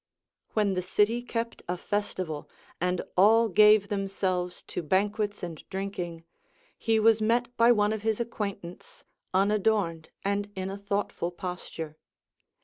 ΛVhen the city kept a festival, and all gave themselves to banquets and drinking, he was met by one of his acquaintance unadorned and in a thoughtful posture.